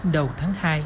đầu tháng hai